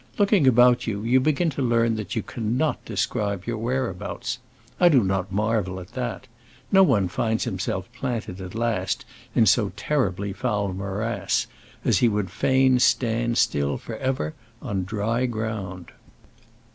Looking about you, you begin to learn that you cannot describe your whereabouts. I do not marvel at that. No one finds himself planted at last in so terribly foul a morass, as he would fain stand still for ever on dry ground.